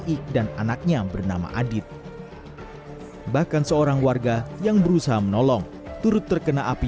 ik dan anaknya bernama adit bahkan seorang warga yang berusaha menolong turut terkena api